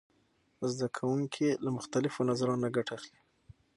زده کوونکي له مختلفو نظرونو ګټه اخلي.